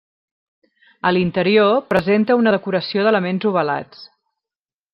A l'interior presenta una decoració d'elements ovalats.